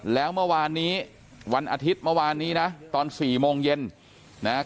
แล้วเมื่อวานนี้วันอาทิตย์เมื่อวานนี้นะตอน๔โมงเย็นนะครับ